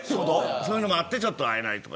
そういうのもあってちょっと会えないとか。